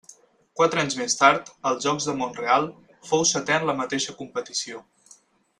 Quatre anys més tard, als Jocs de Mont-real, fou setè en la mateixa competició.